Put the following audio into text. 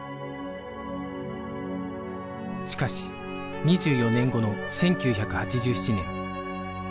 しかし２４年後の１９８７年